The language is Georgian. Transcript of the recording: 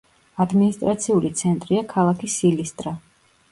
ადმინისტრაციული ცენტრია ქალაქი სილისტრა.